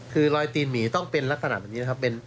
คือรอยตีนหมีต้องเป็นลักษณะแบบนี้นะครับ